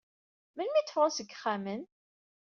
Melmi i d-fɣen seg yexxamen?